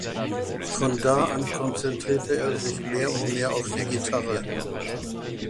Von da an konzentrierte er sich mehr und mehr auf die Gitarre.